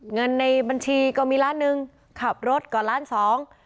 เงินในบัญชีก็มีล้านหนึ่งขับรถก็ล้านสอง